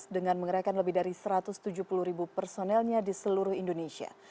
dengan mengerahkan lebih dari satu ratus tujuh puluh ribu personelnya di seluruh indonesia